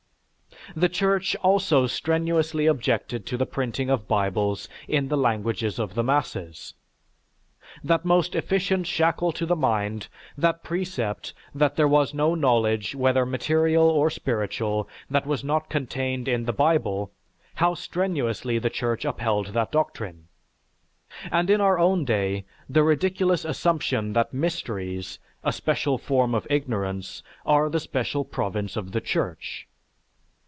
The Church also strenuously objected to the printing of Bibles in the languages of the masses. That most efficient shackle to the mind, that precept that there was no knowledge, whether material or spiritual, that was not contained in the Bible, how strenuously the Church upheld that doctrine! And in our own day, the ridiculous assumption that "mysteries" (a special form of ignorance) are the special province of the Church.